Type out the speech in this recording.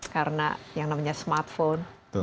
karena yang namanya smartphone digital world itu sudah berakhir